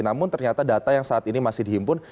namun ternyata data yang saat ini masih dihimpun